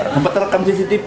di tempat rekam cctv